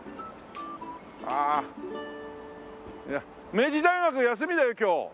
明治大学休みだよ今日。